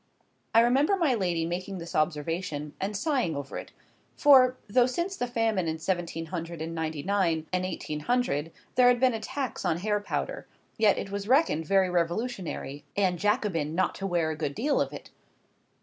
I remember my lady making this observation, and sighing over it; for, though since the famine in seventeen hundred and ninety nine and eighteen hundred there had been a tax on hair powder, yet it was reckoned very revolutionary and Jacobin not to wear a good deal of it.